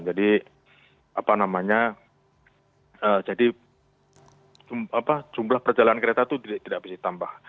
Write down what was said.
jadi apa namanya jumlah perjalanan kereta itu tidak bisa ditambah